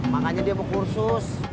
makanya dia mau kursus